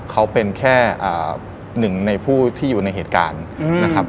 เขาเป็นแค่หนึ่งในผู้ที่อยู่ในเหตุการณ์นะครับ